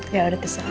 ya udah kesana